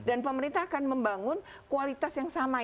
dan pemerintah akan membangun kualitas yang sama